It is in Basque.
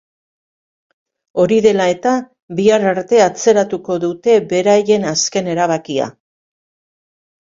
Hori dela eta, bihar arte atzeratuko dute beraien azken erabakia.